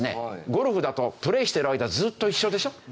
ゴルフだとプレーしてる間ずっと一緒でしょ？